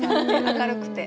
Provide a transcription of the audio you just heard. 明るくて。